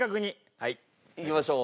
いきましょう。